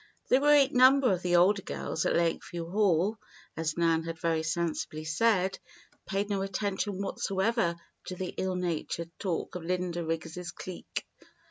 The great number of the older girls at Lakeview Hall, as Nan had very sensibly said, paid no attention whatsoever to the ill natured talk of Linda Riggs' clique.